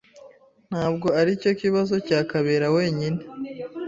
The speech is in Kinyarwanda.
Ntabwo aricyo kibazo cya Kabera wenyine.